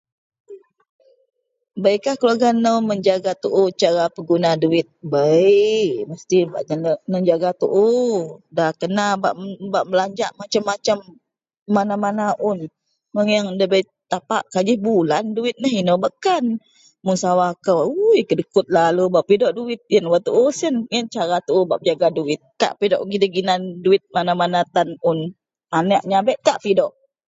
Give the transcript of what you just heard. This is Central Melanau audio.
beikah keluarga nou menjaga tuu cara bak peguna duwit, bei mesti bak nejaga tuu dak kena bak belanjak macam-macam, mana-mana un megeang dabei tapak kajih bulan duwit neh inou bakkan mun sawa kou ooii kedekut lalu bak pidok duwit, ien tuu siyen ien cara tuu bak menjaga duwit, kak pidok gidei ginan duwit mana-mana tan un aneak meyabek kak pidok